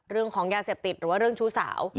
เรื่องของยาเสพติดหรือว่าเรื่องชู้สาว